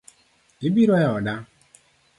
Ibiro eoda?